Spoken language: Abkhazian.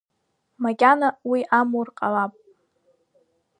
Макьана уи амур ҟалап…